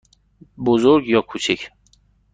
بزرگ یا کوچک؟